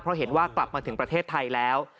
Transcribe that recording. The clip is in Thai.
เพราะเห็นว่ากลับมาถึงประเทศไทยแล้ว